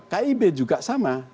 kib juga sama